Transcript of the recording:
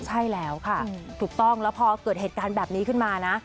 ใช่แล้วค่ะถูกต้องแล้วพอเกิดเหตุการณ์แบบนี้ขึ้นมานะ